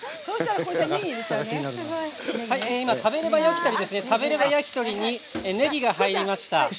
今「食べれば焼き鳥」にねぎが入りました。